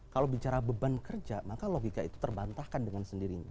kalau bicara beban kerja maka logika itu terbantahkan dengan sendirinya